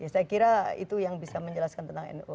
saya kira itu yang bisa menjelaskan tentang nu